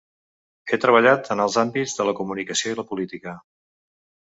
Ha treballat en els àmbits de la comunicació i la política.